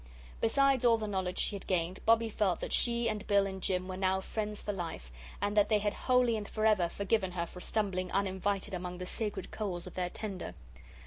Besides all the knowledge she had gained Bobbie felt that she and Bill and Jim were now friends for life, and that they had wholly and forever forgiven her for stumbling uninvited among the sacred coals of their tender.